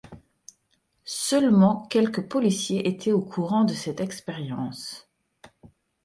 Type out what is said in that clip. Seulement, quelques policiers étaient au courant de cette expérience.